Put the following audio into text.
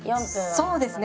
そうですね